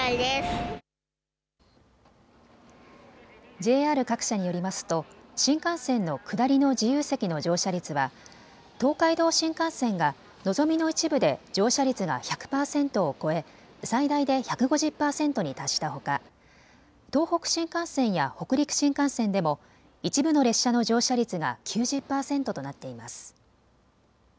ＪＲ各社によりますと新幹線の下りの自由席の乗車率は東海道新幹線が、のぞみの一部で乗車率が１００％を超え最大で１５０％に達したほか東北新幹線や北陸新幹線でも一部の列車の乗車率が９０％となっています。